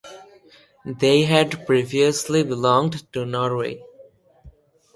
They had previously belonged to Norway.